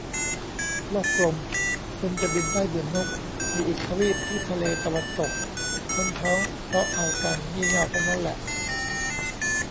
โลกกลม คนจะบินได้เหมือนนก มีอีกทวีปที่ทะเลตะวันตก คนท้องเพราะเอากัน งี่เง่าทั้งนั้นแหละ